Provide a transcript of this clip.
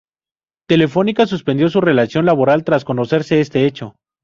Telefónica suspendió su relación laboral tras conocerse este hecho.